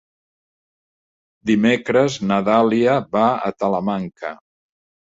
Dimecres na Dàlia va a Talamanca.